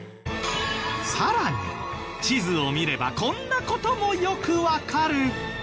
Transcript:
さらに地図を見ればこんな事もよくわかる！